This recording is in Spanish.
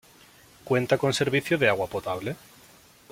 Cuenta con servicio de agua potable.